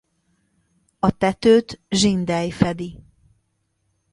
A tetőt zsindely fedi.